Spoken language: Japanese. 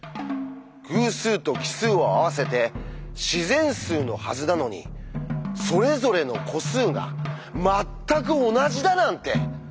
偶数と奇数を合わせて自然数のはずなのにそれぞれの個数がまったく同じだなんて！